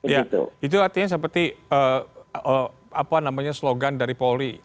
ya itu artinya seperti apa namanya slogan dari polri